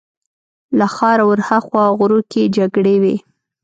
له ښاره ورهاخوا غرو کې جګړې وې.